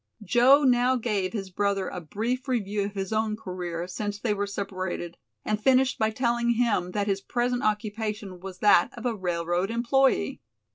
Joe now gave his brother a brief review of his own career since they were separated, and finished by telling him that his present occupation was that of a railroad employee.